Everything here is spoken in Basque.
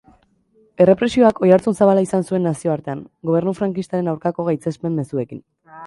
Errepresioak oihartzun zabala izan zuten nazioartean, gobernu frankistaren aurkako gaitzespen-mezuekin.